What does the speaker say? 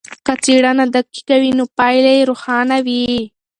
که څېړنه دقیقه وي نو پایله یې روښانه وي.